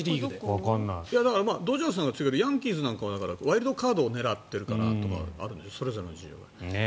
ドジャースは強いけどヤンキースなんかはワイルドカードを狙っているからとかそれぞれの事情が。